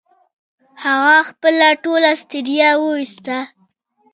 هغه خپله ټوله ستړيا و ایستله